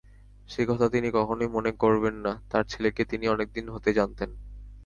সে কথা তিনি কখনোই মনে করবেন না, তাঁর ছেলেকে তিনি অনেকদিন হতে জানেন।